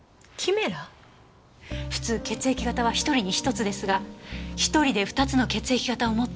普通血液型は１人に１つですが１人で２つの血液型を持っている人がいるんです。